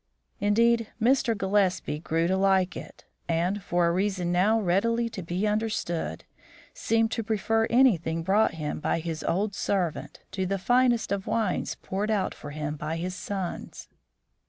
Indeed, Mr. Gillespie grew to like it, and, for a reason now readily to be understood, seemed to prefer anything brought him by his old servant to the finest of wines poured out for him by his sons.